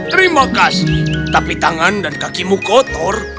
terima kasih tapi tangan dan kakimu kotor